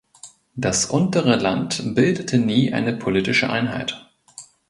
Das Untere Land bildete nie eine politische Einheit.